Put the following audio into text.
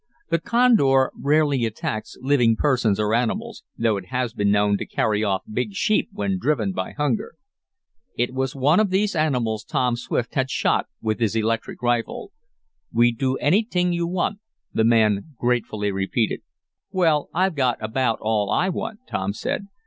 The condor rarely attacks living persons or animals, though it has been known to carry off big sheep when driven by hunger. It was one of these animals Tom Swift had shot with his electric rifle. "We do anyt'ing you want," the man gratefully repeated. "Well, I've got about all I want," Tom said.